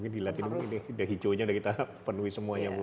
dilihat ini hijaunya kita penuhi semuanya bu